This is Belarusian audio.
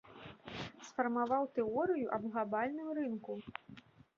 Сфармаваў тэорыю аб глабальным рынку.